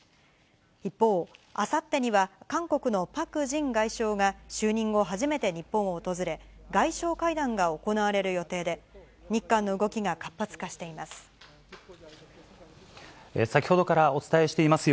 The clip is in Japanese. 一方、あさってには韓国のパク・ジン外相が、就任後、初めて日本を訪れ、外相会談が行われる予定で、日韓の動きが活発化しています。